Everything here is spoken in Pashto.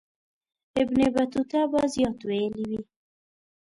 ابن بطوطه به زیات ویلي وي.